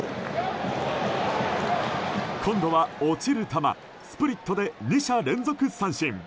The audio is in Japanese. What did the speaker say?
今度は、落ちる球スプリットで２者連続三振。